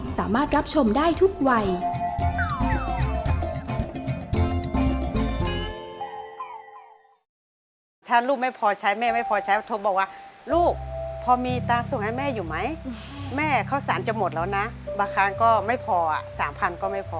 สามารถรับชมได้ทุกวัย